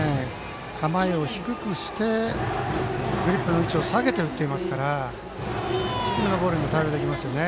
構えを低くしてグリップの位置を下げて、打っていますから低めのボールに対応できますね。